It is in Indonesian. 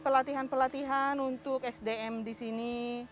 pelatihan pelatihan untuk sdm di sini